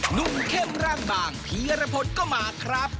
หนุ่มเข้มร่างบางพีรพลก็มาครับ